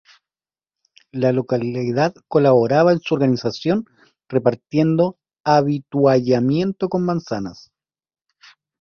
La localidad colabora en su organización repartiendo avituallamiento con manzanas.